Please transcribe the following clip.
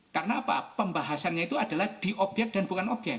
karena apa pembahasannya itu adalah di obyek dan bukan obyek